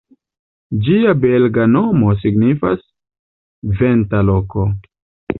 Ĝia belga nomo signifas: "venta loko".